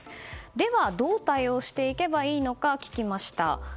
では、どう対応していけばいいか聞きました。